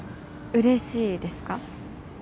うれしいですか？